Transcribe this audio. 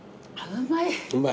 うまい。